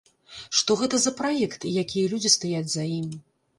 Што гэта за праект і якія людзі стаяць за ім?